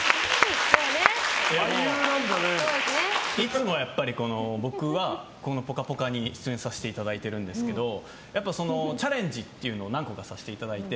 いつも僕は「ぽかぽか」に出演させていただいてるんですけどチャレンジというのを何個かさせていただいて。